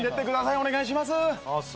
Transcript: お願いします。